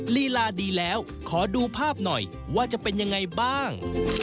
ลีลาดีแล้วขอดูภาพหน่อยว่าจะเป็นยังไงบ้าง